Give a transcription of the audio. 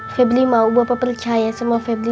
febri mau bapak percaya sama febri